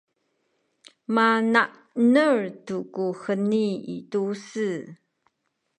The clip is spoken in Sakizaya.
mana’nel tu ku heni i tu-se